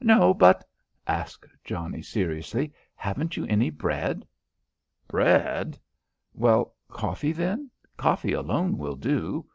"No, but " asked Johnnie seriously. "Haven't you any bread?" "Bread!" "Well, coffee then? Coffee alone will do."